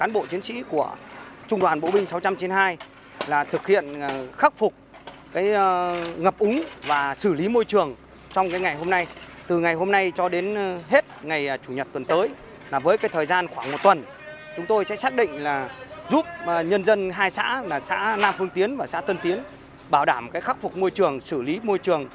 bộ tư lệnh thủ đô hà nội đã huy động một trăm năm mươi cán bộ chiến sĩ thuộc sư đoàn bộ binh ba trăm linh một có mặt tại hai xã tân tiến và nam phương tiến